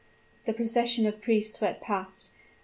"The procession of priests swept past.